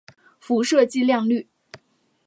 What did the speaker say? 辐射剂量率。